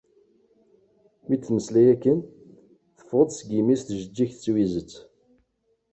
Mi d-temmeslay akken, teﬀeɣ-d seg yimi-s tjeğğigt d twizet.